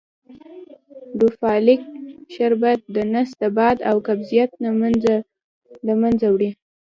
ډوفالک شربت دنس باد او قبضیت له منځه وړي .